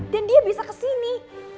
dan dia bisa kesini